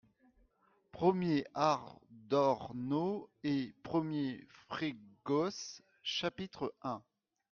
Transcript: - premier ADORNO ET premier FREGOSE, CHAPITRE un.